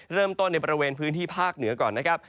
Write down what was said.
เริ่มต้นในบริเวณพื้นที่ภาคเหนือก่อนนะครับ